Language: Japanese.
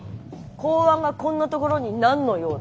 公安がこんなところに何の用だ？